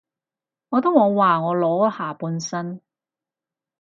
我都冇話我裸下半身